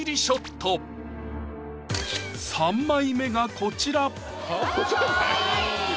３枚目がこちら！